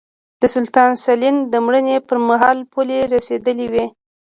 د سلطان سلین د مړینې پرمهال پولې رسېدلې وې.